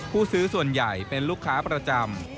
ผู้ซื้อส่วนใหญ่เป็นลูกค้าประจำ